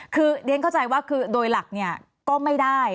คือเรียนเข้าใจว่าคือโดยหลักเนี่ยก็ไม่ได้